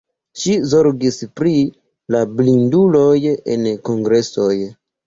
Ŝi zorgis pri la blinduloj en kongresoj.